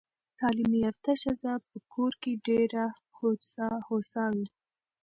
تعلیم یافته ښځه په کور کې ډېره هوسا وي.